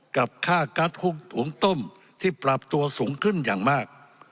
กับค่ากัสหุงต้มที่ปรับตัวสูงขึ้นอย่างมาก